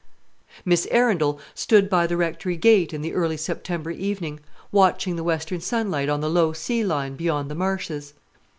Miss Arundel stood by the Rectory gate in the early September evening, watching the western sunlight on the low sea line beyond the marshes.